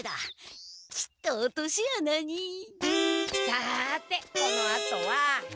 さてこのあとは。